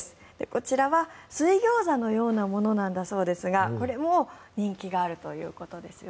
こちらは水ギョーザのようなものなんだそうですがこれも人気があるということですよ。